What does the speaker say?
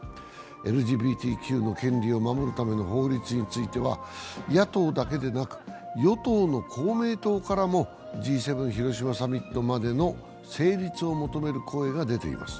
ＬＧＢＴＱの権利を守るための法律については、野党だけでなく、与党の公明党からもＧ７広島サミットまでの成立を求める声が出ています。